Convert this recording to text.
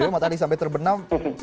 matahari sampai terbenam